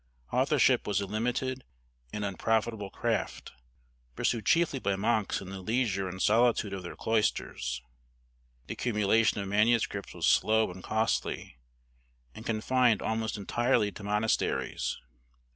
Authorship was a limited and unprofitable craft, pursued chiefly by monks in the leisure and solitude of their cloisters. The accumulation of manuscripts was slow and costly, and confined almost entirely to monasteries.